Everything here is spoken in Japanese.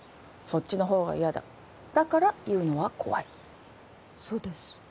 そっちのほうが嫌だだから言うのは怖いそうです